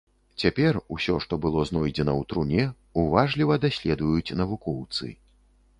Цяпер усё, што было знойдзена ў труне, уважліва даследуюць навукоўцы.